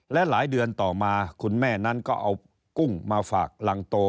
และหลายเดือนต่อมาคุณแม่นั้นก็เอากุ้งมาฝากรังโต